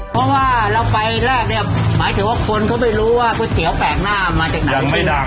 เพราะว่าเราไปแรกเนี่ยหมายถึงว่าคนเขาไม่รู้ว่าก๋วยเตี๋ยวแปลกหน้ามาจากไหน